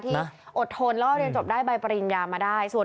ที่อดทนแล้วก็เรียนจบได้ใบปริญญามาได้